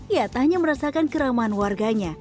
yatahnya merasakan keramaan warganya